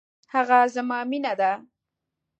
هغه زما مینه ده